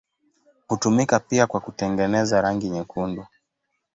Hutumika pia kwa kutengeneza rangi nyekundu.